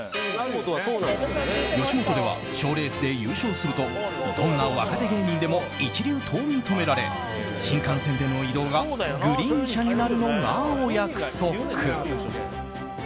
吉本では賞レースで優勝するとどんな若手芸人でも一流と認められ新幹線での移動がグリーン車になるのがお約束。